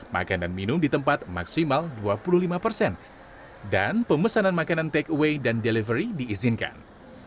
makanan minum di tempat maksimal dua puluh lima persen dan pemesanan makanan takeaway dan delivery diizinkan